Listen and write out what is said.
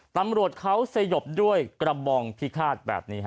ตำรวจเขาสยบด้วยกระบองพิฆาตแบบนี้